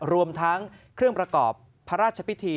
รวมทั้งเครื่องประกอบพระราชพิธี